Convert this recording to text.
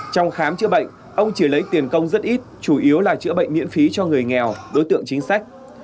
trong khám chữa bệnh ông chỉ lấy tiền công rất ít chủ yếu là chữa bệnh miễn phí cho người nghèo đối tượng chính sách